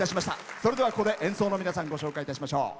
それではここで演奏の皆さんご紹介しましょう。